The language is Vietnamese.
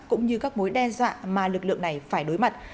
cũng như các mối đe dọa mà lực lượng này phải đối mặt